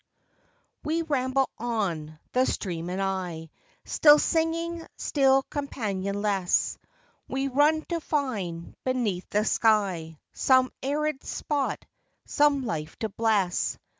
We ramble on, the stream and I, Still singing, still companionless. We run to find, beneath the sky, Some arid spot, some life to bless.